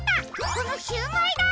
このシューマイだ！